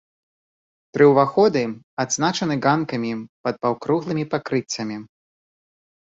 Тры ўваходы адзначаны ганкамі пад паўкруглымі пакрыццямі.